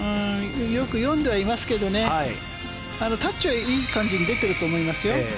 よく読んではいますけどねタッチはいい感じに出ていると思いますよ。